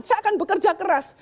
saya akan bekerja keras